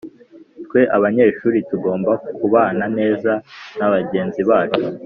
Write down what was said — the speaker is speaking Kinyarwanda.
Twe abanyeshuri, tugomba kubana neza na bagenzi bacu